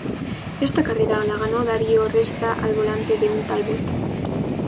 Esta carrera la ganó Dario Resta al volante de un Talbot.